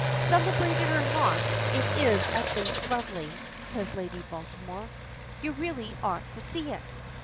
"Celebrated or not, it is at least lovely," says Lady Baltimore. "You really ought to see it."